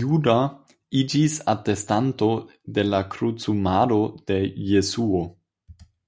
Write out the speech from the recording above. Juda iĝis atestanto de la krucumado de Jesuo.